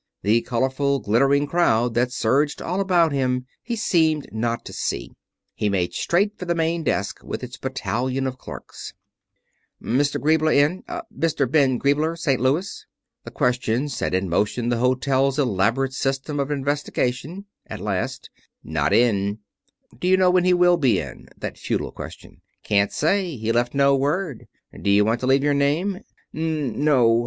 The colorful glittering crowd that surged all about him he seemed not to see. He made straight for the main desk with its battalion of clerks. [Illustration: "He made straight for the main desk with its battalion of clerks"] "Mr. Griebler in? Mr. Ben Griebler, St. Louis?" The question set in motion the hotel's elaborate system of investigation. At last: "Not in." "Do you know when he will be in?" That futile question. "Can't say. He left no word. Do you want to leave your name?" "N no.